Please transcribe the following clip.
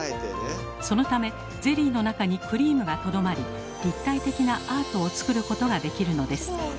そのためゼリーの中にクリームがとどまり立体的なアートを作ることができるのです。